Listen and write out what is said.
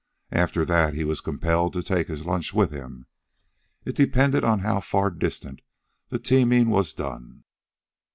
After that he was compelled to take his lunch with him. It depended on how far distant the teaming was done.